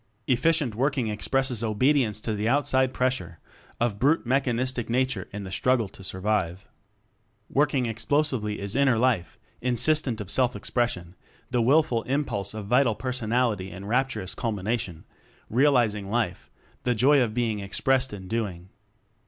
"Efficient" working expresses obedi ence to the outside pressure of brute mechanistic Nature in the struggle to survive. Working Explosively is inner life insistent of self expression, the willful impulse of vital personality in raptur ous culmination, realizing life the joy of being expressed in doing.